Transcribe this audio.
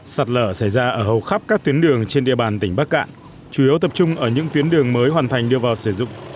sạt lở xảy ra ở hầu khắp các tuyến đường trên địa bàn tỉnh bắc cạn chủ yếu tập trung ở những tuyến đường mới hoàn thành đưa vào sử dụng